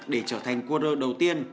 để trở thành quarter đầu tiên